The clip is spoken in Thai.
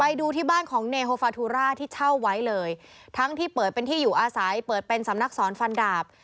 ไปดูที่บ้านของเนโฮฟาทูราที่เช่าไว้เลยทั้งที่เปิดเป็นที่อยู่อาศัยเปิดเป็นสำนักสอนฟันดาบ